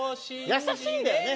優しいんだよね。